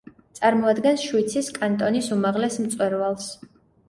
წარმოადგენს შვიცის კანტონის უმაღლეს მწვერვალს.